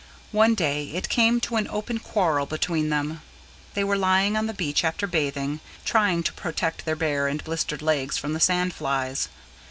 One day it came to an open quarrel between them. They were lying on the beach after bathing, trying to protect their bare and blistered legs from the sandflies.